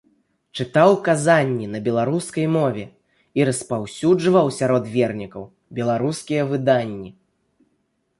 Чытаў казанні на беларускай мове і распаўсюджваў сярод вернікаў беларускія выданні.